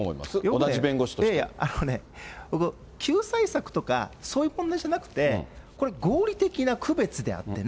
同あのね、僕、救済策とか、そういう問題じゃなくて、これ、合理的な区別であってね。